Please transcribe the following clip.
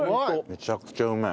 めちゃくちゃうめえ。